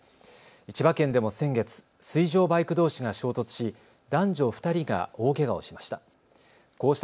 千葉県でも先月、水上バイクどうしが衝突し男女２人が大けがをしました。